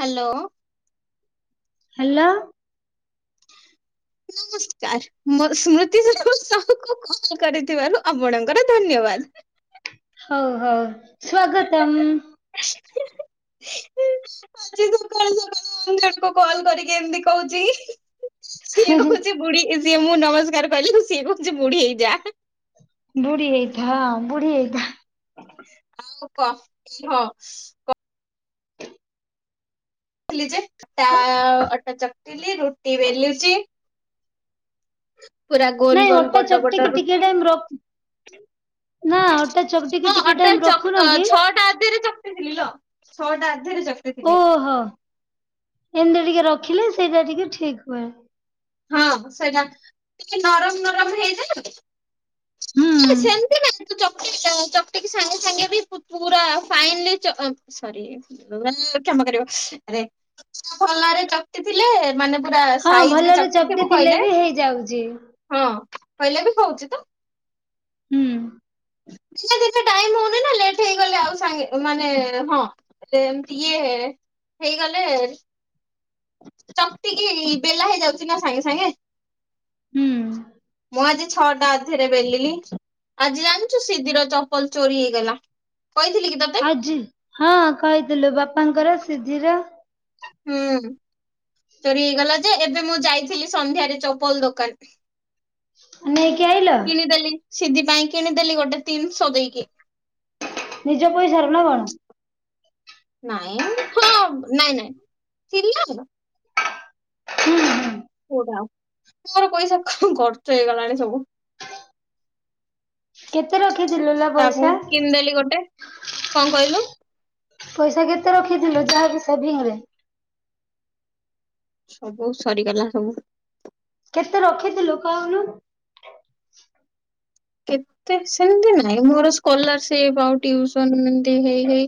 Hello. Hello. ନମସ୍କାର Smruti Shri call କରିଥିବାରୁ ଆପଣଙ୍କର ଧନ୍ୟବାଦ। ହଉ ହଉ। ସ୍ୱାଗତମ୍। ଆଜି ସକାଳୁ ସକାଳୁ କଣ କଲ କରିକି ଏମତି କହୁଛି। ସିଏ କହୁଛି ବୁଢୀ ସିଏ ମୁଁ ନମସ୍କାର କହିଲି ସିଏ କହୁଛି ବୁଢ଼ୀ ହେଇଯା। ବୁଢୀ ହେଇଥା ବୁଢୀ ହେଇଥା। ଆଉ କହ। କଲି ଯେ। ତା କ ଅଟା। ଟିଲି ରୁଟି ବେଲୁଚି। ହ [unintelligible] ପୁରା ଗୋଲ ନାଇଁ ଗୋଲ ଅଟା ବଡ ବଡ ଚକଟିକି ଟିକେ ରୁଟି ଟାଇମ ର ନା ଅଟା ଚକଟିକି ହଁ ଟିକେ ଅଟା ଟାଇମ ରଖୁନ କି? ଛଅଟା ଅଧରେ ଚକଟିଥିଲି ଲୋ। ଛଅଟା। ଅଧେରେ ଚକଟିଥିଲି। ଓହୋ ଏମତି ଟିକେ ରଖ। ରଖିଲେ ସେଇଟା ଟିକେ ଠିକ ହୁଏ। ହଁ ସେଇଟା ଟିକେ ନରମ ନରମ ହେଇଯାଏ। ହୁଁ ସେମତି ନାଇ। ଚ ଚକଟିିକି ସାଙ୍ଗେ ସାଙ୍ଗେ ବି ପୁରା ଫାନଲୀ କ୍ଷମା କରରେ ଭଲରେ ଚକଟି ଥିଲେ ମାନେ। ପୁରା ହଁ ସାଇଜ ରେ। ଭଲରେ ଚକଟି ଥିବୁ ଥିଲେ କହିଲେ ବି ହେଇଯାଉଛି। ହଁ କହିଲେ ବି କହୁଛି ତ। ହୁଁ। ଦିନେ ଦିନେ ଟାଇମ୍ ହଉନି ନା ଲେଟ ହେଇଗଲେ ଆଉ ସାଙ୍ଗେ ମାନେ ହଁତି ଇଏ ହେଇଗଲେ। ଚକଟିକି ବେଲା ହେଇଯାଉଛି ନା ସାଙ୍ଗେ ସାଙ୍ଗେ। ହୁଁ। ମୁଁ ଆଜି ଛଅଟା ଅଧରେ ବେଲିଲି ଆଜି ଜାଣିଛୁ ସିଧିର ଚପଲ ଚୋରି ହେଇଗଲା। କହିଥିଲି କି ତତେ ଆଜି ହଁ କହିଥିଲୁ ବା। ବାପାଙ୍କର ସିଧିର। ହୁଁ ଚୋରି ହେଇଗଲା ଯେ ଏବେ ମୁଁ ଯାଇଥିଲି ସନ୍ଧ୍ୟାରେ ଚପଲ ଦୋକାନ। ନେ। [inaudible] କିନିଦେଲି। ସିଧିପାଇ କିଣିଦେଲି ଗୋଟେ ତିନିଶହ ଦେଇେଇକି। ନିଜ ପଇସାରେ ନା କଣ? ନାଇଁ ହଁ ନାଇଁ ନାଇଁ ଥିଲା ଆଉ ହୁଁ ହୁଁ କୋଟା ମୋର ପଇସା ଖର୍ଚ୍ଚ ହେଇଗଲାଣି ସବୁ। କେତ୍ ତାକୁ କିଣିଦେଲି ଗୋଟେ କଣ କହିଲୁ? ପଇସା କେତେ ରଖିଥିଲୁ ଯାହାବି ସେଭିଙ୍ଗ ରେ? ସବୁ ସରିଗଲା ସବୁ। କେତେ ରଖିଥିଲୁ କହୁନୁ? କେତେ ସେମିତି ନାଇଁ ମୋର ସ୍କଲାରସିପ ଆଉ ଟୁଇସନ ଏନ୍ତି ହେଇ ହେଇ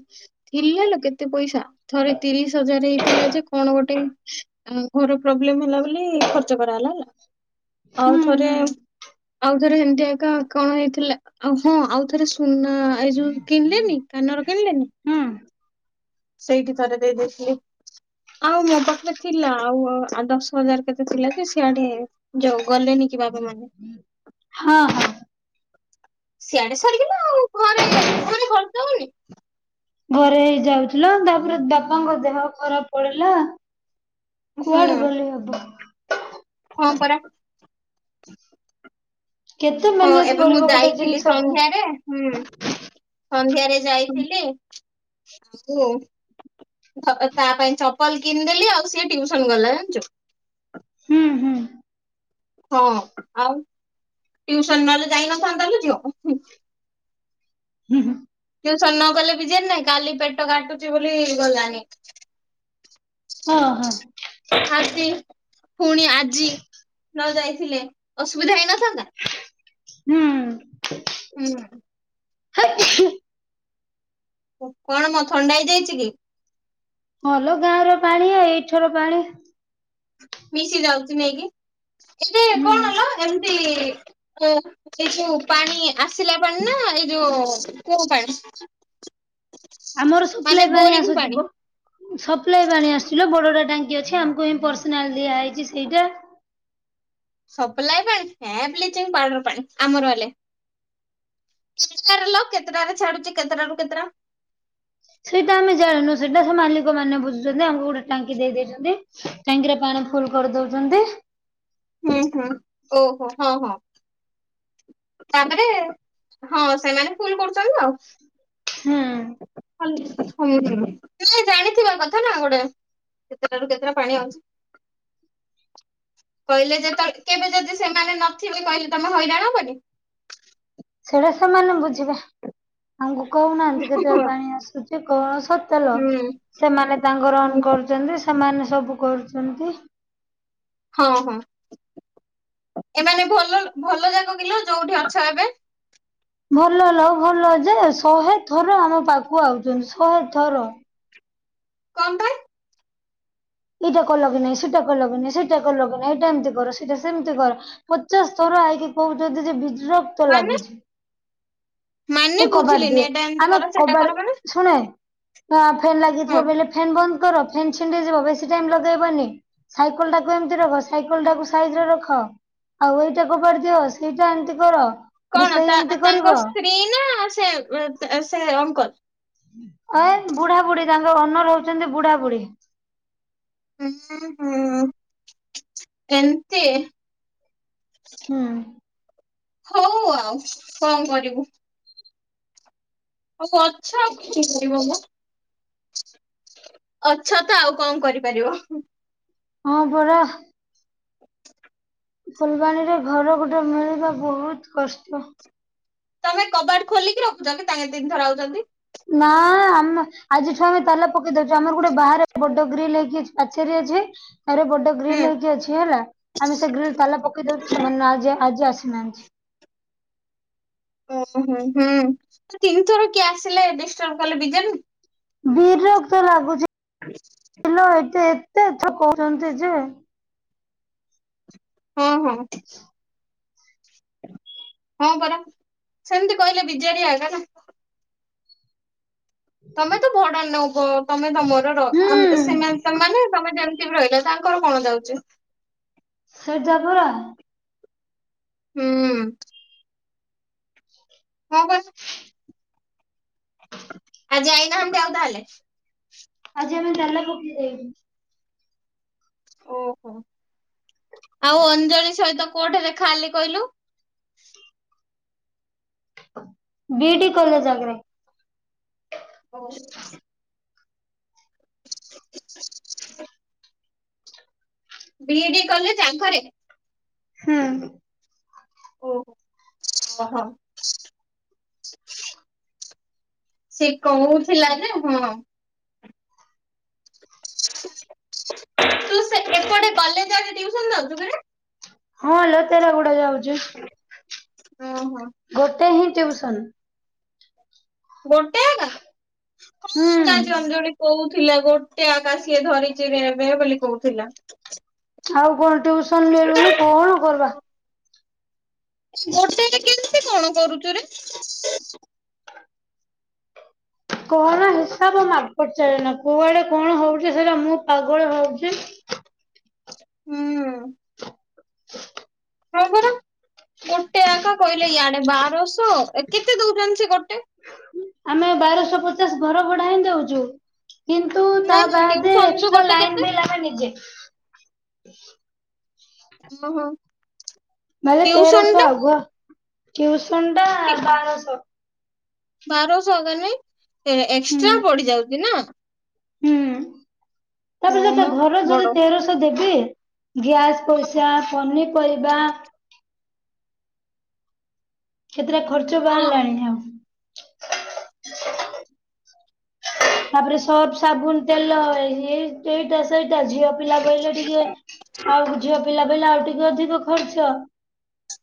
ଥିଲା ଲ କେତେ ପଇସା। ଥରେ ତିରିଶ ହଜାର ହେଇଥିଲା ଯେ କଣ ଗୋଟେ ମ୍ ଘର ପ୍ରୋବ୍ଲେମ ହେଲା ବୋଲି ଖର୍ଚ୍ଚ କରାହଲା ହେଲା ଆଉ ହୁଁ ଥରେ ହୁଁ ଆଉଥରେ ହେମତି ଆକା କଣ ହେଇଥିଲା ହଁ ଆଉ ଥରେ ଶୁ [unintelligible] ହ ଏଇ ଯୋଉ କିଣିଲେନି କାନର କିଣିଲେନି ହୁଁ। ସେଇଠି ଥରେ ଦେଇ ଦେଇଥିଲି ଆଉ ମୋ ପାଖରେ ଥିଲା ଆଉ ଆ ଦଶ ହଜାର କେତେ ଥିଲା ଯେ ସିଆଡେ ଯଉ ଗଲେନି କି ବାବାମାନେ ହଁ ହଁ। ସିଆଡେ ସାରିଗଲା ଆଉ ଘରେ ଘରେ ଖର୍ଚ୍ଚ ହଉନି। ଘରେ ହେଇ ଯାଉଥିଲା, ତାପରେ ବାପାଙ୍କ ଦେହ ଖରାପ ପଡିଲା। କୁଆଡେ ହୁଁ ଗଲେ ହବ। ହଁ ପରା। କେତେ ହଁ ମ୍ୟାନେଜ ଏବେ ମୁଁ କରିବ ଗୋଟେ ଯାଇଥିଲି ଜିନିଷକୁ। ସନ୍ଧ୍ୟାରେ ହୁଁ ସନ୍ଧ୍ୟାରେ ଯାଇଥିଲି। [unintelligible] ତା ପାଇଁ ଚପଲ କିଣିଦେଲି ଆଉ ସିଏ ଟିଉସନ ଗଲା ଜାଣିଛୁ ହୁଁ ହୁଁ। ହଁ ଆଉ। ଟ୍ୟୁସନ ନଲେ ଯାଇନଥାନ୍ତା ଲୋ ଝିଅ। ହୁଁ ହୁଁ। ଟ୍ୟୁସନ ନ ଗଲେ ବିଜାର ନାହିଁ କାଲି ପେଟ କାଟୁଛି ବୋଲି ଗଲାନି। ହଁ ହଁ। ଖା [unintelligible] ପୁଣି ଆଜି ନ ଯାଇ ଥିଲେ ଅସୁବିଧା ହେଇନଥାନ୍ତା। ହୁଁ। ହୁଁ। [inaudible] କଣ ମଁ ଥଣ୍ଡା ହେଇ ଯାଇଛି କି? ହଁ ଲ ଗାଁର ପାଣି ଆ ଏଇଠିର ପାଣି। ମିଶି ଯାଉଛି ନାଇଁ କି? ଏ ହୁଁ। କଣ ଲୋ? [unintelligible] ଏଇ ଯୋଉ ପାଣି ଆସିଲା ପାଣି ନା ଏଇ ଯୋଉ କୂଅଁ ପାଣି। ଆମର ସପ୍ଲାଇ ମାନେ ପାଣି ବୋରିଂ ଆସୁଛି ଵ ସପ୍ଲାଇ ପାଣି ଆସୁଛି ଲୋ ବଡ ବଡ ଟାଙ୍କି [unintelligible] ଆମକୁ ହିଁ ପର୍ସନାଲ ଦିଆ ହେଇଛି ସେଇଟା। ସପ୍ଲାଏ ପାଣି ହେ ବ୍ଲିଚିଙ୍ଗ ପାଉଡରର ପାଣି ଆମର ହେଲେ କେତେଟାରୁ ଲୋ କେତେଟାରେ ଛାଡୁଛି କେତେଟାରୁ କେତେଟା? ସେଇଟା ଆମେ ଜାଣିନୁ ସେଇଟା ସେ ମାଲିକ ମାନେ ବୁଝୁଛନ୍ତି ଆମକୁ ଗୋଟେ ଟାଙ୍କି ଦେଇ ଦେଇଛନ୍ତି ଟାଙ୍କିରେ [unintelligible] ଫୁଲ କରିଦଉଛନ୍ତି। ହୁଁ, ହୁଁ, ଓହୋ, ହଁ, ହଁ। [inaudible] ତାପରେ, ହଁ, ସେମାନେ ଫୁଲ କରୁଛନ୍ତି, ଆଉ ହୁଁ [inaudible] ହଲିସ୍କ ହୁଁ, ହୁଁ, ମୁ ଜାଣିଥିବା କଥା ନା, ଗୋଟେ କେତେଟା ରୁ କେତେଟା ପାଣି ଆଉଛି, କହିଲେ, ଯେଳେ କେବେ, ଯଦି ସେମାନେ ନଥିବେ, କହିଲେ, ତମେ ହଇରାଣ ହବନି? ସେଇଟା ସେମାନେ ବୁଝିବେ, ଆଜ୍ଞା କହୁନାହାନ୍ତି, ହୁଁ କେତେବେଳେ ପାଣି ଆସୁଛି? [unintelligible] କସ ସତେଲୋ, ସେମାନେ ତାଙ୍କ ରନ୍ କରୁଛନ୍ତି, ସେମାନେ ସବୁ କରୁଛନ୍ତି। ହଁ, ହଁ, ଏମାନେ ଭଲ ଭଲ, ଯାକ, କିଲୋ, ଯୋଉଠି ଅଛ, ଏବେ? ଭଲଲୋ ଭଲ ଯେ ଶହେ ଥର ଆମ ପାଖକୁ ଆଉଛନ୍ତି ଶହେ ଥର। କଣ ପାଇଁ? ଏଇଟା କଲ କି ନହିଁ, ସେଟା କଲ କି ନାଇଁ, ସେଇଟା କଲ କି ନାଇ, ଏଇଟା ଏମିତି କର, ସେଇଟା ସେମିତି କର ଉଚ୍ଚସ୍ତର ଆଇକି କହୁ ଯ, ଯେ ବିଜରକ୍ତ ମାନେ ଲାଗୁଛି। ମାନେ ଏଇ, କବାଟ ଦେ, ବୁଝିଲିନି ଏଇଟା ଏମିତି ଆମେ କର ସେଟା କବାଟେ କର ମାନେ ଶୁଣେ [unintelligible] ଆତ୍ ଫେନ୍ ହଁ ଲାଗିଯିବ, ବେଲେ, ଫ୍ୟାନ୍ ବନ୍ଦ କର, ଫେନ୍ ଛିଣ୍ଡି ଯିବ, ବେଶୀ ଟାଇମ ଲଗେଇବନି, ସାଇକେଲ ଟାକୁ ଏମତି ରଖ, ସାଇକେଲ ଟାକୁ ସାଇଜରେ ରଖ, ଆଉ ଏଇଟା କୁ କରିଦିଅ, ସେଇଟା ଏମତି କର। କଣ, ରୋଷେଇ ତା, ଏମିତି ତାଙ୍କ କରିବ। ସ୍ତ୍ରୀ ନା? ହଁ ସେ [unintelligible] ସେ ଅଙ୍କଲ। ଓନର ହହୁଛନ୍ତି ବୁଢ଼ା ବୁଢ଼ୀ। ହୁଁ, ହୁଁ [inaudible] ଏନ୍ତି ହୁଁ, ହଉ, ଆଉ କଣ କରିବୁ? ହଉ, ଅଛ, ଆଉ କଣ କରିବ ମ, ଅଛ ତ, ଆଉ କଣ କରିପାରିବ? ହଁ ପରା। ଫୁଲବାଣୀରେ ଘର ଗୋଟେ ମିଳିବା ବହୁତ କଷ୍ଟ। ତମେ କବାଟ ଖୋଲିକି ରଖୁଛନ୍ତି, ତାଙ୍କେ ତିନି ଥର ଆଉଛନ୍ତି? ନା, ଆମ ଆଜିଠୁ, ଆମେ ତାଲା ପକେଇ ଦଉଛୁ, ଆମର ଗୋଟେ ବାହାରେ ବଡ ଗ୍ରିଲ ହେଇକି ପାଚେରୀ ଅଛି। ଆରେ, ବୋଡ ହୁଁ। ଗ୍ରିଲ ହେଇକି ଅଛି, ହେଲା ଆମେ ସେ ଗ୍ରିଲ ତାଲା ପକେଇଦଉଚୁ, ସେମାନେ ଆଜି ଆସ ନାନ୍ତି ଓ, ହୁଁ, ହୁଁ, ତିନି ଥର କିଏ ଆସିଲେ, ଡିଷ୍ଟର୍ବ କଲେ, ବିଜେନ ବିରକ୍ତ ଲାଗୁଛି, ଇଲୋ ଏଠି ତ କହୁଛନ୍ତି ଯେ ହଁ, ହଁ ହଁ, ପରା, ସେମିତି କହିଲେ, ବିଜେଡି ଆଇଲା ନା? ତମେ ତ ଭଡା ନ ହଁ। ତମେ ତମର ର ହୁଁ ସେମାନେ ତମେମାନେ। ତମେ ଯେମ୍‌ତି ବି ରହିଲ ତାଙ୍କର କଣ ଯାଉଛି। ସେଇଟା ପରା। ହୁଁ। [inaudible] ଆଜି ଆଇ ନାହାନ୍ତି ଆଉ ତାହାଲେ। ଆଜି ଆମେ ତାଲା ପକେଇକି ଯାଇଥିଲୁ। ଓହୋ ଆଉ ଅଞ୍ଜଳି ସହିତ କଉଠେ ଦେଖା ହେଲି କହିଲୁ। ବିଟି କଲେଜ ଆଗରେ। [inaudible] [unintelligible] [inaudible] ବିଏଡ଼ି କଲେଜ ଆଗରେ। ହୁଁ। [inaudible] ସେ କହୁଥିଲା ଯେ ହଁ। ତୁ ସେ ଏପଟେ କଲେଜ ଆଡେ ଟିଉସନ୍‌ ଯାଉଚୁ କିରେ। ହଁ ଲୋ ତେରାଗୁଡା ଯାଉଚି। [unintelligible] ଗୋଟେ ହିଁ। [inaudible] [inaudible] ଥିଲା ହୁଁ ଗୋଟେ ଆକା ସିଏ ଧରିଚି ରେ ଏବେ ବୋଲି କହୁଥିଲା। ଆଉ କଣ ଟିଉସନ ମିଳୁନି କଣ କରବା। [inaudible] [inaudible] [inaudible] [inaudible] [inaudible] ଗୁଆଟେ କଣ ହଉଛି ସେଟା ମୁଁ ପାଗଳ ହଉଛି। ହୁଁ। [inaudible] ହଁ ପରା ଗୋଟେ ଆକା କହିଲେ ଇଆଡେ ବାର। ସ କେତେ ଦଉଛନ୍ତି ସେ ଗୋଟେ। ଆମେ ବାରଶ ପଚାଶ ଘର ଭଡା ହିଁ ଦଉଚୁ। କିନ୍ତୁ ତା ନାଇଁ ନାଇଁ ବାଦେ ଟିଉସନ ରୁ ଏକ୍ସଟ୍ରା ଗୋଟେ ଲାଇନ୍ କେତେ? ବିଲ ଆମେ ନିଜେ। [unintelligible] [inaudible] ଆଲେେ ଟିଉସନ ତେରଷ ଟା ଆଗୁ କି? ସୁଥଣ୍ଡା ବାାରଶ ବାରସ ମାନେ ହୁଁ ଏକ୍ସଟ୍ରା ପଡିଯାଉଛି ନା। ହୁଁ। ତାପ ହଁ ଯଖ ମ ଘର ବଡ ଯଦି ତେରଶହ ଦେବି। ଗ୍ୟାସ୍ ହଁ। ପଇସା ପନି ପରିବା। କେତେଟା ଖର୍ଚ୍ଚ ହଁ ବାହାରିଲାଣି ଆଉ। ତାପରେ ସର୍ପ ସାବୁନ ତେଲଇ ଏଁ ଏଇଟା ସେଇ ଟା ଝିଅ ପିଲା ବୋଇଲେ ଟିକେ ଆଉ ଝିଅ ପିଲା ମୁଁ କହିଲି ଆଉ ଟିକେ ଅଧିକ ଖର୍ଚ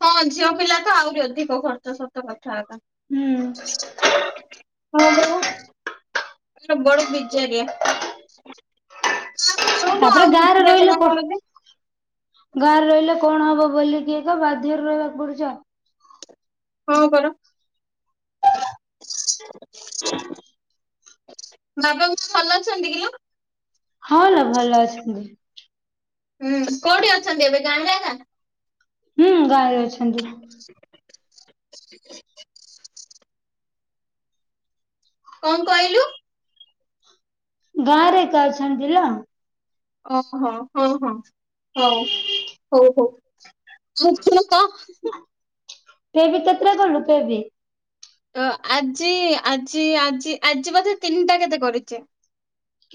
ହଁ ଝିଅ ପିଲା ତ ଆହୁରି ଅଧିକ ଖର୍ଚ୍ଚ ସତ କଥା ହେତା। ହୁଁ। ହଁ ପରା ସେ ବଡ ବିଜାରିଆ। କହୁନୁ ତାପରେ ଆଉ ଗାଁରେ ବୁଝିବେ ରହିଲେ ନା କ କଣ ଯେ ଗାଁରେ ରହିଲେ କଣ ହବ ବୋଲିକି ଏକ ବାଧ୍ୟରେ ରହିବାକୁ ପଡୁଛି ଆଉ। ହଁ ପରା ବାବା ଭଲ ଅଛନ୍ତି କିଲୋ। ହଁ ଲୋ। ଭଲ ଅଛନ୍ତି ହୁଁ କୋଉଠି ଅଛନ୍ତି ଏବେ। [inaudible] ହୁଁ ଗାଁରେ ଅଛନ୍ତି। କଣ କହିଲୁ। ଗାଁରେ ଏକା ଅଛନ୍ତି ଲୋ। ଓ ହୋ ହଁ ହଁ ହଉ ହଉ ହଉ। [inaudible] ତୁ ଏବେ କେତେଟା କଲୁ। [inaudible] ତ ଆଜି ଆଜି ଆଜି ଆଜି ବଧେ ତିନିଟା କେତେ କରିଛେ।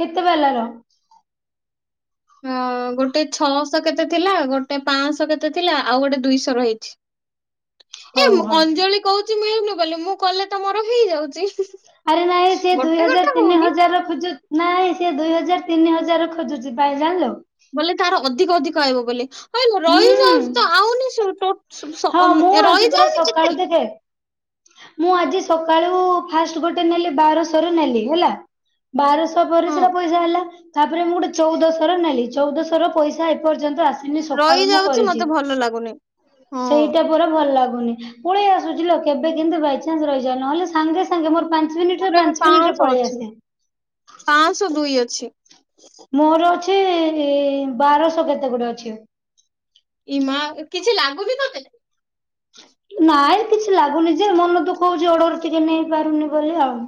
କେତେ ବାଲା ର। ହଁ ଗୋଟେ ଛଅଶହ କେତେ ଥିଲା ଗୋଟେ ପାଶହ କେତେ ଥିଲା ଆଉ ଗୋଟେ ଦୁଇଶହ ରହିଛି। ହଉ ଏ ହଉ। ଅଞ୍ଜଳି କହୁ କହୁଛି ମିଳୁନି ବୋଲି ମୁଁ କଲେ ତ ମୋର ହେଇଯାଉଛି। ଆରେ ନାଇଁ ସିଏ ଦୁଇ ଗୋଟେ ହଜାର ଗୋଟେ ତିନି ହଉନି ହଜାର ର ଖୋଜୁ ନାଇଁ ସିଏ ଦୁଇ ହଜାର ତିନି ହଜାର ଖୋଜୁଛି ପାଇଲାଣି ଲୋ। ବୋଲେ ତାର ଅଧିକ ଅଧିକ ପାଇବ ବୋଲି। ହଇଲୋ ରହିଯାଉଛି ହୁଁ। ତ ହଁ ଆଉନି ମୁଁ [inaudible] ଆଜି ପୁରା ରହିଯାଉନି ସକାଳୁ କେତେ। ଦେଖେ ମୁଁ ଆଜି ସକାଳୁ ଫାଷ୍ଟ ଗୋଟେ ନେଲି ବାରଶହ ରେ ନେଲି ହେଲା ବାରଶହ ପରେ ହଁ ସେଇଟା ପଇସା ହେଲା ତାପରେ ମୁଁ ଗୋଟେ ଚଉଦଶ ର ନେଲି ଚଉଦଶହ ର ପଇସା ଏ ପର୍ଯ୍ୟନ୍ତ ଆସିନି ସ ସକାଳୁ ମୁଁ ରହିଯାଉଛି କରିଛିି ମତେ ଭଲ ଲାଗୁନି ହଁ ସେଇଟା ପରା ଭଲ ଲାଗୁ ଗୁନି ପଳେଇ ଆସୁଚି ଲୋ କେବେ କେମିତି ବାଇଚନ୍ସ ରହିଯାଏ ନହଲେ ସାଙ୍ଗେ ସାଙ୍ଗେ ମୋର ପାଞ୍ଚ ମିନିଟରେ ମୋର ଏବେ ପାଞ୍ଚ ମିନିଟରେ ପାଶହ ପଳେଇ ଅଛି ଆସେ ପାଶହ ଦୁଇ। ଛି। ମୋର ଅଛି। ଇ ବାରଶହ କେତେ ଗୁଡେ ଅଛି। ଇ ମା କିଛି ଲାଗୁମି ତତେ। ନାଇଁ କିଛି ଲାଗୁନି ଯେ ମନ ଦୁଃଖ ହଉଛି ଅର୍ଡର ଟିକେ ନେଇ ପାରୁନି ବୋଲି ଆଉ।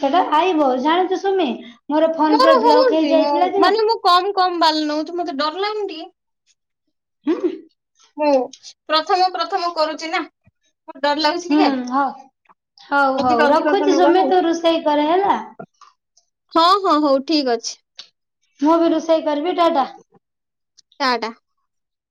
ସେଟା ଆଇବ ଜାଣିଛୁ। ସୁମି। ଫୋନ ମୋର ପେ ବ୍ଲକ ହଉନି ମୁଁ ହେଇଯାଇଥିଲା ଯେ ମାନେ ମୁଁ କମ କମ ବାଲ ନଉଚି ମ ମତେ ଡର ଲାଗୁନି ଟିକେ। ହୁଁ। ହୁଁ ପ୍ରଥମ ପ୍ରଥମ କରୁଛି ନା। ମତେ ଡର ଲାଗୁଛି ହୁଁ ଟିକେ ହଉ ହଉ ଅଧିକ ହଉ ଅଧିକ ତ ରଖୁଛି ତମେ ନେବାକୁ ତୁ ରୋଷେଇ କରେ ହେଲା। ହଁ ହଁ ହଉ ଠିକ ଅଛି। ମୁଁ ବି ରୋଷେଇ। କରିବି ଟା ଟା। ଟାଟା।